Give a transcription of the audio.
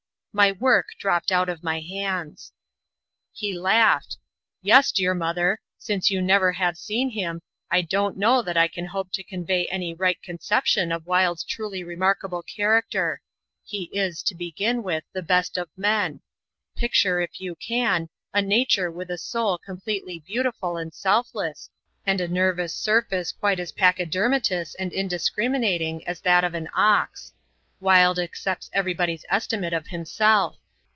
My work dropped out of my hands. He laughed. "Yes. Dear mother, since you never have seen him, I don't know that I can hope to convey any right conception of Wilde's truly remarkable character. He is, to begin with, the best of men. Picture, if you can, a nature with a soul completely beautiful and selfless, and a nervous surface quite as pachydermatous and indiscriminating as that of an ox. Wilde accepts everybody's estimate of himself.